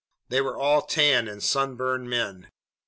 They were all tanned and sun burned men.